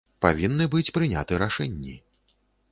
Павінны быць прыняты рашэнні.